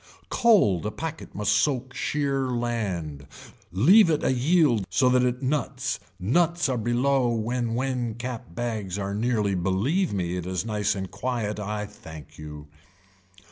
Cold a packet must soak sheer land, leave it a yield so that nuts nuts are below when when cap bags are nearly believe me it is nice and quiet I thank you.